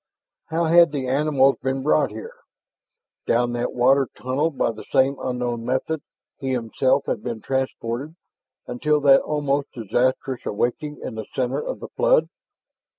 How had the animals been brought here? Down that water tunnel by the same unknown method he himself had been transported until that almost disastrous awakening in the center of the flood?